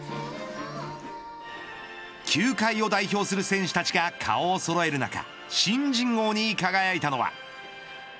球界を代表する選手たちが顔をそろえる中新人王に輝いたのは。